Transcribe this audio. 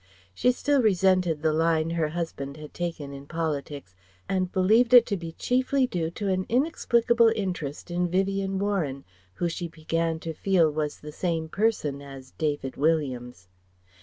She still resented the line her husband had taken in politics and believed it to be chiefly due to an inexplicable interest in Vivien Warren who she began to feel was the same person as "David Williams."